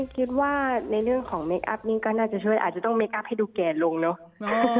คิดว่าในเรื่องของเคคอัพนี่ก็น่าจะช่วยอาจจะต้องเคคอัพให้ดูแก่ลงเนอะ